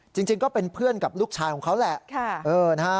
จริงจริงก็เป็นเพื่อนกับลูกชายของเขาแหละค่ะเออนะฮะ